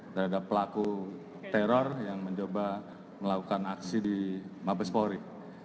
terhadap pelaku teror yang mencoba melakukan aksi di mabespori